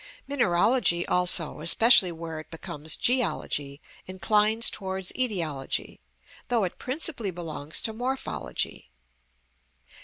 Mineralogy also, especially where it becomes geology, inclines towards etiology, though it principally belongs to morphology.